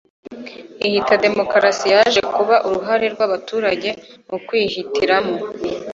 ihita, demukarasi yaje kuba uruhare rw'abaturage mu kwihitiramo